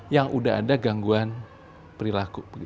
yang sudah ada gangguan perilaku